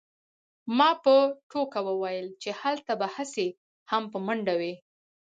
ما په ټوکه وویل چې هلته به هسې هم په منډه وې